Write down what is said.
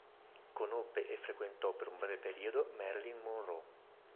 Conobbe e frequentò per un breve periodo Marilyn Monroe.